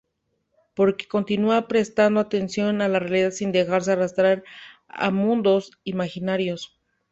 Pero que continúa prestando atención a la realidad sin dejarse arrastrar a mundos imaginarios.